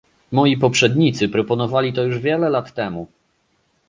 Moi poprzednicy proponowali to już wiele lat temu